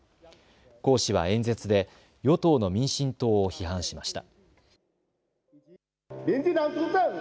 侯氏は演説で与党の民進党を批判しました。